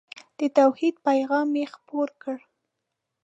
د توحید پیغام یې خپور کړ.